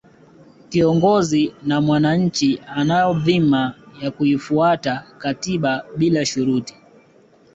kiongozi na mwanachi anayo dhima ya kuifuata katiba bila shuruti